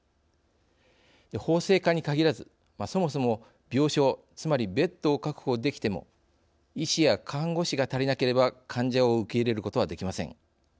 法制化に限らずそもそも、病床つまりベッドを確保できても医師や看護師が足りなければ患者を受け入れることはできません。